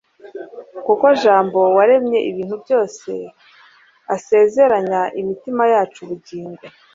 kuko Jambo waremye ibintu byose, asezeranya imitima yacu ubugingo.